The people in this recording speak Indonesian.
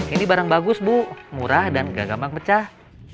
ini barang bagus bu murah dan gak gampang pecah